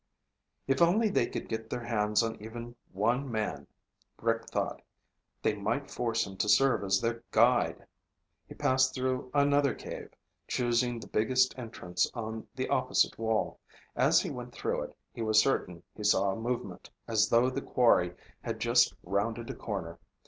If only they could get their hands on even one man, Rick thought, they might force him to serve as their guide! He passed through another cave, choosing the biggest entrance on the opposite wall. As he went through it, he was certain he saw a movement, as though the quarry had just rounded a corner.